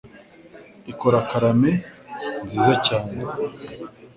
ikora karamel nziza cyane